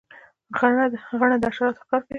غڼه د حشراتو ښکار کوي